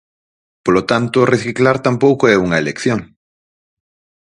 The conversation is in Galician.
Polo tanto, reciclar tampouco é unha elección.